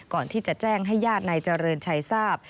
ก่อนที่จะแจ้งให้ญาตินายเจริญชัยทราบ